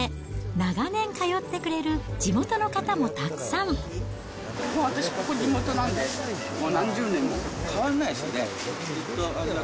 長年通ってくれる地元の方もたくもう私、ここ地元なんで、も変わんないですね。